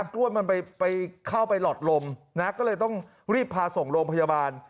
กล้วยมันไปเข้าไปหลอดลมนะก็เลยต้องรีบพาส่งโรงพยาบาล